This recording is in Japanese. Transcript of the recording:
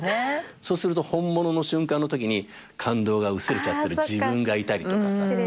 そうすると本物の瞬間のときに感動が薄れちゃってる自分がいたりとかさ。